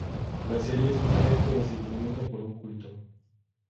La serie es un ejemplo de seguimiento por un culto.